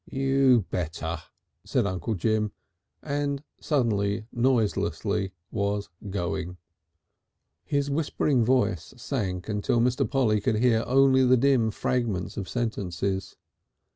"You better," said Uncle Jim, and suddenly, noiselessly, was going. His whispering voice sank until Mr. Polly could hear only the dim fragments of sentences.